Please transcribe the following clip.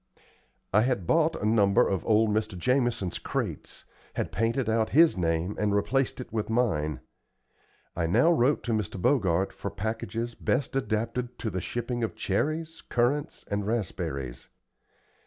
I had bought a number of old Mr. Jamison's crates, had painted out his name and replaced it with mine. I now wrote to Mr. Bogart for packages best adapted to the shipping of cherries, currants, and raspberries.